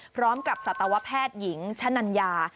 พร้อมกับศตวแพทย์หญิงชะนัญา